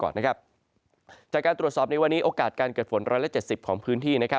จากการตรวจสอบในวันนี้โอกาสการเกิดฝน๑๗๐ของพื้นที่